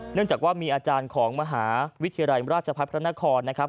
เนื่องจากว่ามีอาจารย์ของมหาวิทยาลัยราชพัฒน์พระนครนะครับ